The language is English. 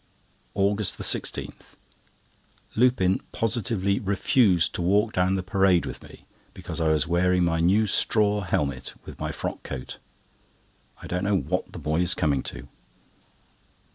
AUGUST 16.—Lupin positively refused to walk down the Parade with me because I was wearing my new straw helmet with my frock coat. I don't know what the boy is coming to.